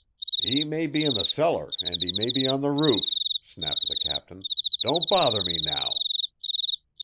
"He may be in the cellar and he may be on the roof," snapped the captain. "Don't bother me now!"